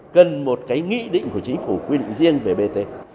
cần một cái nghị định của chính phủ quy định riêng về bt